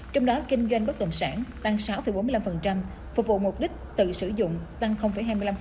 trong đó kinh doanh bất động sản tăng sáu bốn mươi năm phục vụ mục đích tự sử dụng tăng hai mươi năm